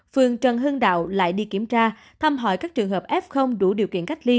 phường trần hưng đạo lại đi kiểm tra thăm hỏi các trường hợp f đủ điều kiện cách ly